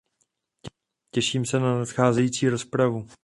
Těším se na nadcházející rozpravu.